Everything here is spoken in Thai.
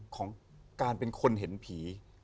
ของการเป็นคนเห็นผี